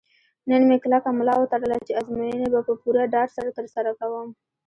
نن مې کلکه ملا وتړله چې ازموینې به په پوره ډاډ سره ترسره کوم.